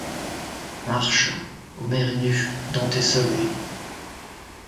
Marche ! Homère est nu. Dante est seul.